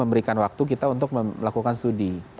memberikan waktu kita untuk melakukan studi